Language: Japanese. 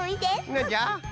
なんじゃ？